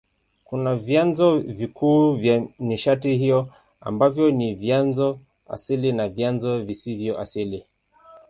Kuna vyanzo vikuu vya nishati hiyo ambavyo ni vyanzo asili na vyanzo visivyo asili.